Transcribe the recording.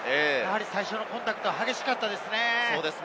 最初のコンタクト、激しかったですね。